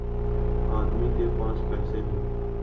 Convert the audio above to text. آدمی کے پاس پیسے ہوں۔